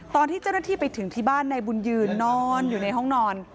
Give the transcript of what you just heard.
ตอนที่เจ้าหน้าที่ไปถึงที่บ้านนายบุญยืนนอนอยู่ในห้องนอน